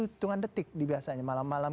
hitungan detik biasanya malam malam